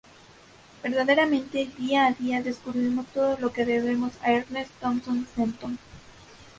Verdaderamente, día a día descubrimos todo lo que debemos a Ernest Thompson Seton.